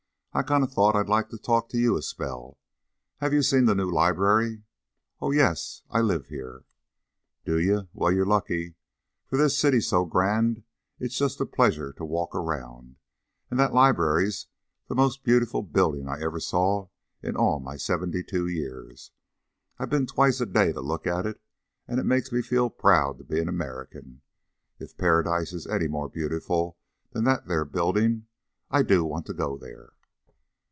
"I kinder thought I'd like to talk to you a spell. Hev you seen the new library?" "Oh, yes; I live here." "Do ye? Well, you're lucky. For this city's so grand it's jest a pleasure to walk around. And that Library's the most beautiful buildin' I ever saw in all my seventy two years. I've been twice a day to look at it, and it makes me feel proud to be an Amurrican. If Paradise is any more beautiful than that there buildin', I do want to go there."